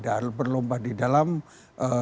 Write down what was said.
dan disitu ada berlomba di dalam beribadah